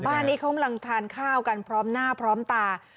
บ้านนี้เขากำลังทานข้าวกันพร้อมหน้าพร้อมตา